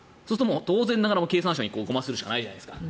当然ながら経産省にごまをするしかないじゃないですか。